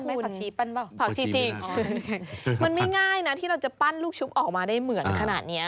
ผักชีปั้นเปล่าผักชีจริงมันไม่ง่ายนะที่เราจะปั้นลูกชุบออกมาได้เหมือนขนาดเนี้ย